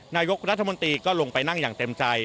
นายกรัฐมนตรีก็ลงไปนั่งอย่างเต็มใจ